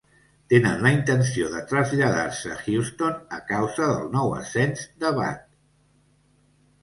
Tenen la intenció de traslladar-se a Houston a causa del nou ascens de Bud.